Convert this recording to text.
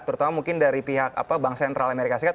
terutama mungkin dari pihak bank sentral amerika serikat